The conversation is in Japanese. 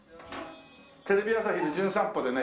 テレビ朝日の『じゅん散歩』でね